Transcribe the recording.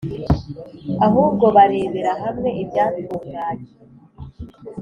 ahubwo barebera hamwe ibyatunganye,